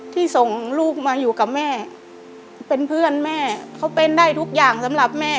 ส่งลูกมาอยู่กับแม่เป็นเพื่อนแม่เขาเป็นได้ทุกอย่างสำหรับแม่